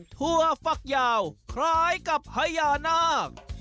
ถั่วฝักยาวคล้ายกับพญานาค